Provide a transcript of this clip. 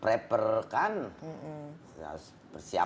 preparasi kan persiapan